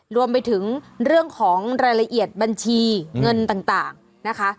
รวมไปถึงเรื่องของรายละเอียดบัญชีเงินต่างนะคะ